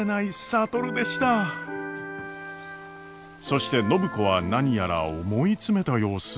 そして暢子は何やら思い詰めた様子。